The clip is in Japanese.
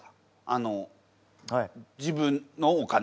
あの自分のお金？